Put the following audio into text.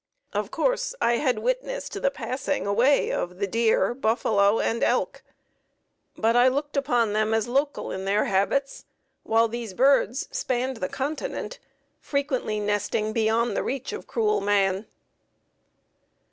Of course I had witnessed the passing away of the deer, buffalo, and elk, but I looked upon them as local in their habits, while these birds spanned the continent, frequently nesting beyond the reach of cruel man.